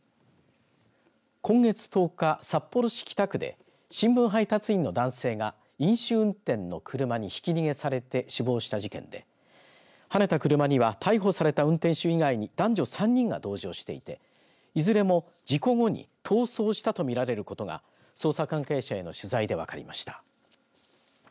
今月１０日、札幌市北区で新聞配達員の男性が飲酒運転の車にひき逃げされて死亡した事件ではねた車には逮捕された運転手以外に男女３人が同乗していていずれも事故後に逃走したとみられることが捜査関係者への取材で分かりました。